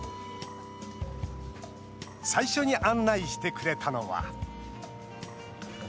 最初に案内してくれたのは。